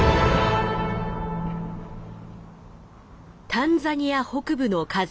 タンザニア北部の火山。